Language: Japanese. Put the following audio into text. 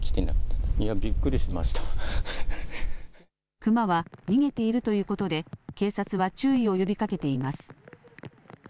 クマは逃げているということで警察は注意を呼びかけています。